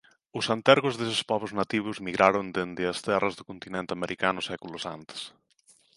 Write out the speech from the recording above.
Os antergos deses pobos nativos migraron dende as terras do continente americano séculos antes.